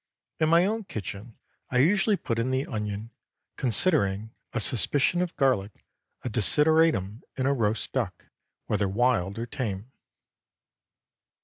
In my own kitchen I usually put in the onion, considering a suspicion of garlic a desideratum in roast duck, whether wild or tame.